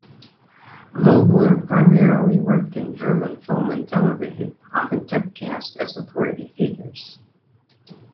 Vogler primarily worked in German film and television, often typecast as authority figures.